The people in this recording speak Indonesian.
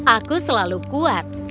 aku selalu kuat